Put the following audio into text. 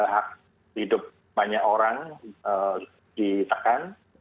hak hidup banyak orang ditekan